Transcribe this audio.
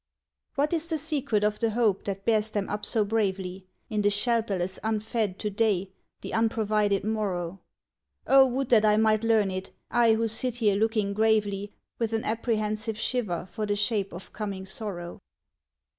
What is the secret of the hope that bears them up so bravely In the shelterless unfed to day, the unprovided morrow ? Oh, would that I might learn it, I who sit here looking gravely With an apprehensive shiver for the shape of coming sorrow